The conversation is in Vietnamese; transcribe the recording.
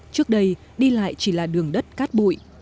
trước đây đi lại chỉ là đường đất cát bụi